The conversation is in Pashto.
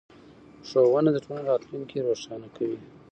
ښوونه د ټولنې راتلونکی روښانه کوي